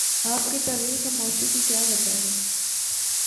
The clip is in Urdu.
آپ کی طویل خاموشی کی کیا وجہ ہے؟